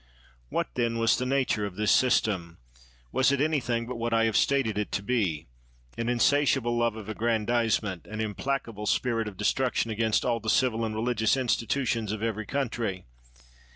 "What, then, was the nature of this system? Was it anything but what I have stated it to be — an insatiable love of aggrandizement, an implacable spirit of destruction against all the civil and religious institutions of every country?